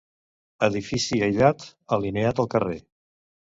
Edifici aïllat, alineat al carrer.